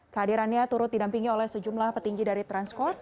kehadirannya turut didampingi oleh sejumlah petinggi dari transcorp